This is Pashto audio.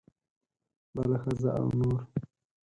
بله ښځه او نور.